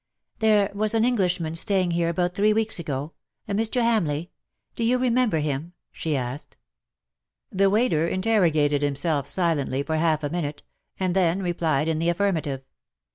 '^ There was an English gentleman staying here about three weeks ago : a Mr. Hamleigh. Do you remember him V she asked. The waiter interrogated himself silently for half a minute^ and then replied in the affirmative.